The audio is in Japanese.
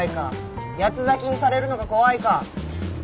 八つ裂きにされるのが怖いか。